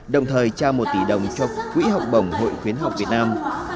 đồng thời trao một tỷ đồng cho quỹ học bổng hội khuyến học việt nam